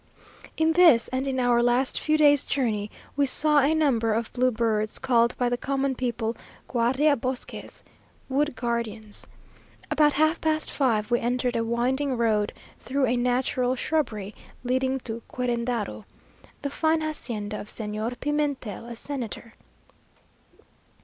In this and in our last few days' journey, we saw a number of blue birds, called by the common people guardía bosques, wood guardians. About half past five we entered a winding road, through a natural shrubbery, leading to Querendaro, the fine hacienda of Señor Pimentel, a senator.